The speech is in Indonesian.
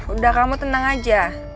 udah kamu tenang aja